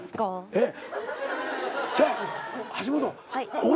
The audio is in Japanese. えっ？